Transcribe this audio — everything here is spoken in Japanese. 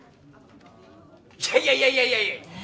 いやいやいやいや。